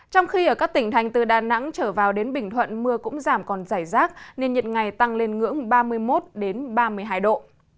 trong khi ở các tỉnh thành từ đà nẵng trở vào đến bình thuận mưa cũng giảm còn dài rác nên nhiệt ngày tăng lên ngưỡng ba mươi một ba mươi hai độ